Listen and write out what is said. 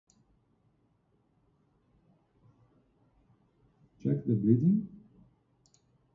The date of Holbein's birth is unknown.